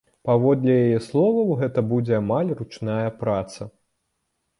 Паводле яе словаў, гэта будзе амаль ручная праца.